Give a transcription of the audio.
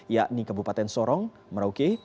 yakni kabupaten sorong merauke